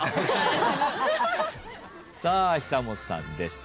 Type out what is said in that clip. さあ久本さんです。